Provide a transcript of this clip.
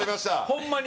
ホンマに。